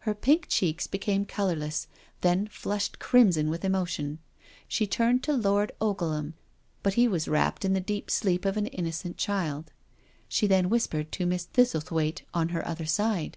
Her pink cheeks became colourless, then flushed crimson with emotion. She turned to Lord Oglehami but he was wrapt in the deep sleep of an innocent child. She then whispered to Miss Thistlethwaite on her other side.